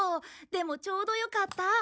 でもちょうどよかった。